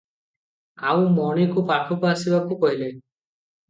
ଆଉ ମଣିକୁ ପାଖକୁ ଆସିବାକୁ କହିଲେ ।